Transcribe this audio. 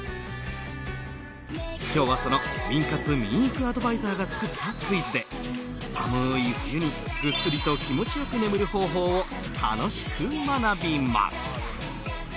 今日はその眠活眠育アドバイザーが作ったクイズで、寒い冬にぐっすりと気持ち良く眠る方法を楽しく学びます。